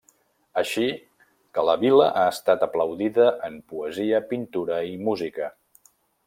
Així que la vil·la ha estat aplaudida en poesia, pintura i música.